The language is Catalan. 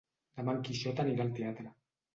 Demà en Quixot anirà al teatre.